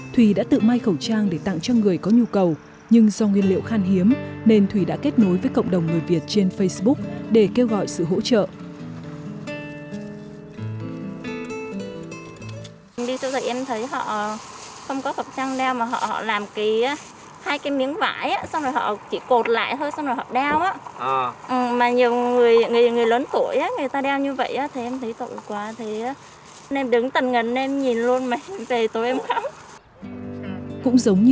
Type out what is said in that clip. thùy đã tự mai khẩu trang để tặng cho người có nhu cầu nhưng do nguyên liệu khan hiếm nên thùy đã kết nối với cộng đồng người việt trên facebook để kêu gọi sự hỗ trợ